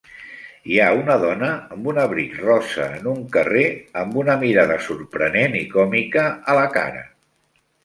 Hi ha una dona amb un abric rosa en un carrer amb una mirada sorprenent i còmica a la cara